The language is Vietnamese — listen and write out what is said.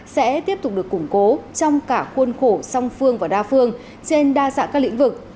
sẽ tiếp tục được củng cố trong cả khuôn khổ song phương và đa phương trên đa dạng các lĩnh vực